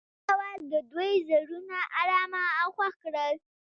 د دریاب اواز د دوی زړونه ارامه او خوښ کړل.